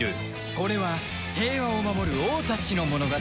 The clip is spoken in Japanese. これは平和を守る王たちの物語